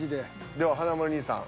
では華丸兄さん。